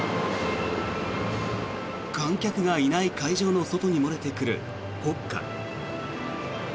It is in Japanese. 観客がいない会場の外に漏れてくる国歌。